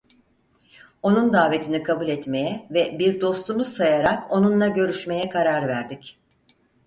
Onun davetini kabul etmeye ve bir dostumuz sayarak onunla görüşmeye karar verdik.